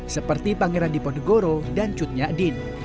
seperti pangeran diponegoro dan cut nyak din